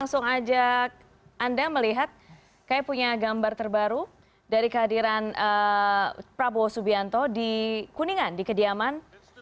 langsung ajak anda melihat saya punya gambar terbaru dari kehadiran prabowo subianto di kuningan di kediaman